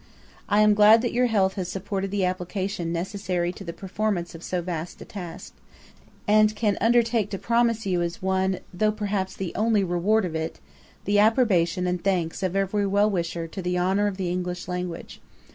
I am glad that your health has supported the application necessary to the performance of so vast a task; and can undertake to promise you as one (though perhaps the only) reward of it, the approbation and thanks of every well wisher to the honour of the English language.